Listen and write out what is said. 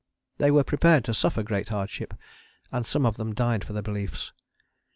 They were prepared to suffer great hardship; and some of them died for their beliefs.